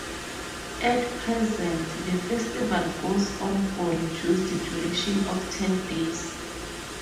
At present, the festival goes on for reduced duration of ten days.